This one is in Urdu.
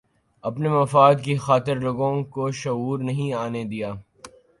اپنے مفاد کی خاطرلوگوں کو شعور نہیں آنے دیا